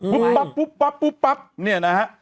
ปั๊บปุ๊บปั๊บปุ๊บปั๊บเนี่ยนะฮะ